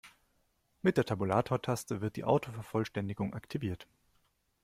Mit der Tabulatortaste wird die Autovervollständigung aktiviert.